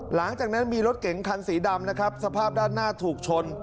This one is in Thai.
หลังจากนั้นมีรถเก๋งคันสีดำนะครับสภาพด้านหน้าถูกชน